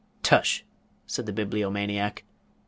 "Tush!" said the Bibliomaniac.